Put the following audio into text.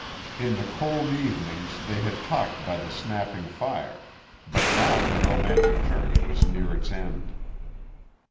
In the cold evenings they had talked by the snapping fire, but now the romantic journey was near its end.